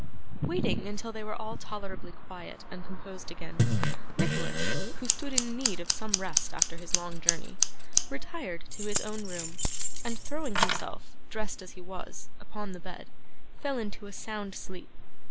Waiting until they were all tolerably quiet and composed again, Nicholas, who stood in need of some rest after his long journey, retired to his own room, and throwing himself, dressed as he was, upon the bed, fell into a sound sleep.